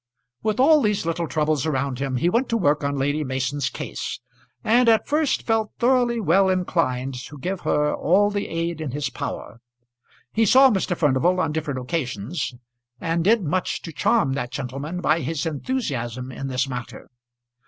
With all these little troubles around him he went to work on Lady Mason's case, and at first felt thoroughly well inclined to give her all the aid in his power. He saw Mr. Furnival on different occasions, and did much to charm that gentleman by his enthusiasm in this matter.